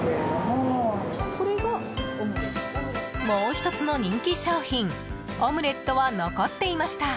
もう１つの人気商品オムレットは残っていました！